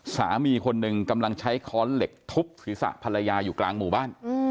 สามีคนหนึ่งกำลังใช้ค้อนเหล็กทุบศีรษะภรรยาอยู่กลางหมู่บ้าน